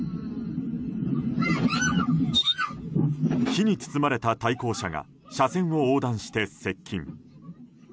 火に包まれた対向車が車線を横断して接近。